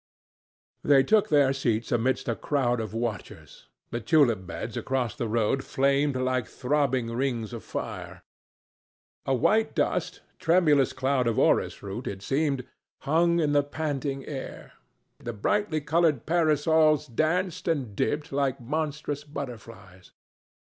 They took their seats amidst a crowd of watchers. The tulip beds across the road flamed like throbbing rings of fire. A white dust—tremulous cloud of orris root it seemed—hung in the panting air. The brightly coloured parasols danced and dipped like monstrous butterflies.